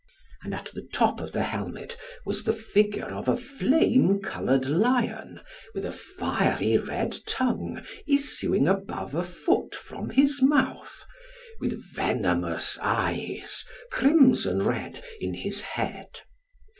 And at the top of the helmet was the figure of a flame coloured lion, with a fiery red tongue, issuing above a foot from his mouth, and with venomous eyes, crimson red, in his head.